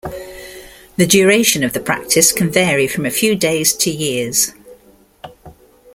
The duration of the practice can vary from a few days to years.